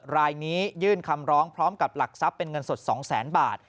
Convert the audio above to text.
รายนี้ยื่นคำร้องพร้อมกับหลักทรัพย์เป็นเงินสด๒แสนบาท